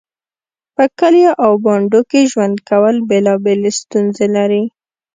په کليو او بانډو کې ژوند کول بيلابيلې ستونزې لري